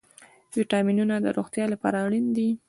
ویټامینونه د روغتیا لپاره اړین دي